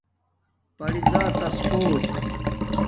پری زاتس کوٹ